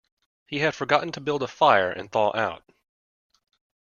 He had forgotten to build a fire and thaw out.